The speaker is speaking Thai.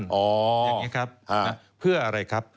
อย่างนี้ครับเพื่ออะไรครับ